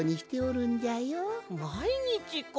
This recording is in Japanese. まいにちか。